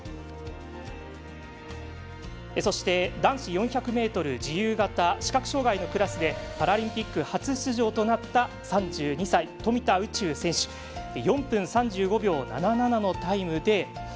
そして、男子４００ｍ自由形視覚障がいのクラスでパラリンピック初出場となった３２歳、富田宇宙選手失礼しました。